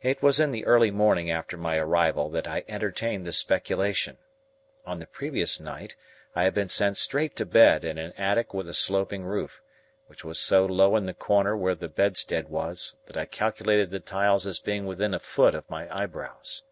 It was in the early morning after my arrival that I entertained this speculation. On the previous night, I had been sent straight to bed in an attic with a sloping roof, which was so low in the corner where the bedstead was, that I calculated the tiles as being within a foot of my eyebrows.